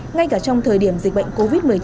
ngay cả trong thời điểm dịch bệnh covid một mươi chín